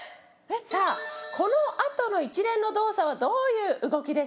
さあこのあとの一連の動作はどういう動きでしょうか？